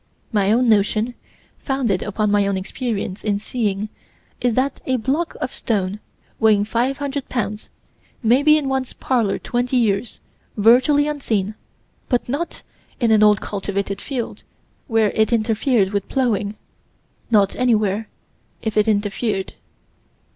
My own notion, founded upon my own experience in seeing, is that a block of stone weighing 500 pounds might be in one's parlor twenty years, virtually unseen but not in an old cultivated field, where it interfered with plowing not anywhere if it interfered.